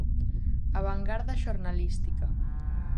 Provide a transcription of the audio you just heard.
A vangarda xornalística.